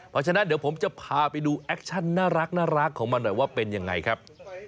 เพราะฉะนั้นเดี๋ยวผมจะพาไปดูแอคชั่นน่ารักของมันหน่อยว่าเป็นยังไงครับ